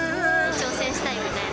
挑戦したいみたいな。